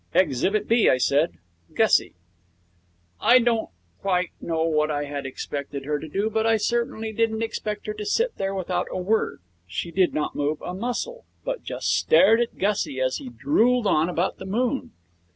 'Exhibit B,' I said. 'Gussie.' I don't quite know what I had expected her to do, but I certainly didn't expect her to sit there without a word. She did not move a muscle, but just stared at Gussie as he drooled on about the moon.